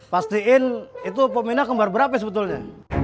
pastiin itu peminat kembar berapa sebetulnya